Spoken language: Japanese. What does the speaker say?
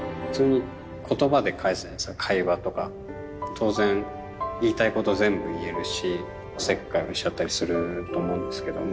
当然言いたいこと全部言えるしおせっかいをしちゃったりすると思うんですけども。